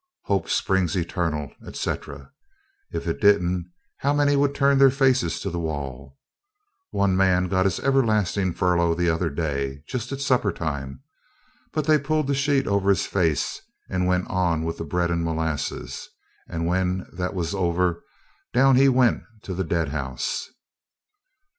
"Hope springs eternal," etc. If it didn't, how many would turn their faces to the wall! One man got his everlasting furlough the other day, just at supper time; but they pulled the sheet over his face and went on with the bread and molasses; and, when that was over, down he went to the dead house.